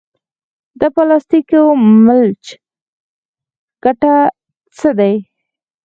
د پلاستیکي ملچ ګټه څه ده؟